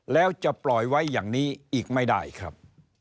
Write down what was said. แล้วจะปล่อยไว้อย่างนี้อีกไม่ได้ครับ